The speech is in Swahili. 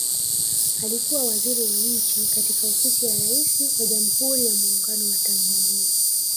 Alikuwa Waziri wa Nchi katika Ofisi ya Rais wa Jamhuri ya Muungano wa Tanzania